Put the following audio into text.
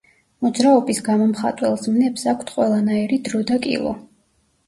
მოძრაობის გამომხატველ ზმნებს აქვთ ყველანაირი დრო და კილო.